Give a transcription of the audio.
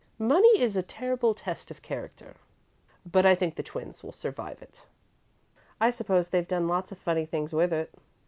Money is a terrible test of character, but I think the twins will survive it." "I suppose they've done lots of funny things with it."